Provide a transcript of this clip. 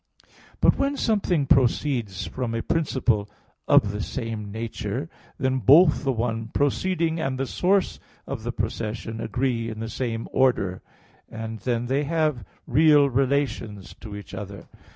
But when something proceeds from a principle of the same nature, then both the one proceeding and the source of procession, agree in the same order; and then they have real relations to each other.